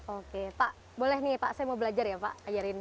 oke pak boleh nih pak saya mau belajar ya pak ajarin